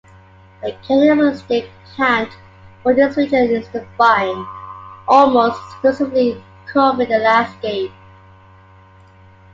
The characteristic plant for this region is the vine, almost exclusively covering the landscape.